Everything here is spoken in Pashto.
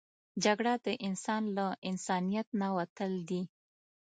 جګړه د انسان له انسانیت نه وتل دي